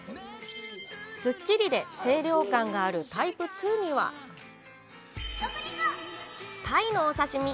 すっきりで清涼感があるタイプ２には鯛のお刺身。